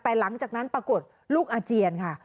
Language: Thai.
แต่หลังจากนั้นปรากฏลูกอาเจียนค่ะ